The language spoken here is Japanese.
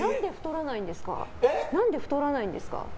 何で太らないんですか？